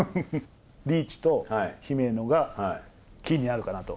リーチと姫野がキーになるかなと。